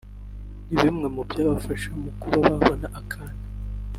ni bimwe mu byabafasha mu kuba babona akana